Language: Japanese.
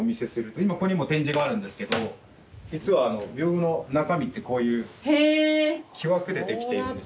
今ここにも展示があるんですけど実は屏風の中身ってこういう木枠でできているんです。